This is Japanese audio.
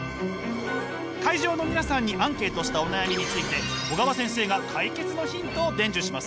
会場の皆さんにアンケートしたお悩みについて小川先生が解決のヒントを伝授します！